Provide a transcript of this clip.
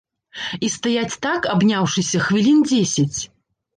І стаяць так, абняўшыся, хвілін дзесяць.